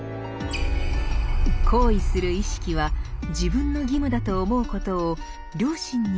行為する意識は自分の義務だと思うことを良心に従って行動します。